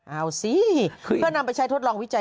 เอาสิเพื่อนำไปใช้ทดลองวิจัย